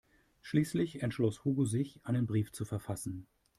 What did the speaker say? Schließlich entschloss Hugo sich, einen Brief zu verfassen.